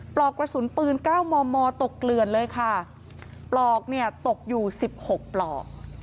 ปลอกกระสุนปืนเก้ามอมอตกเกลือนเลยค่ะปลอกเนี่ยตกอยู่สิบหกปลอก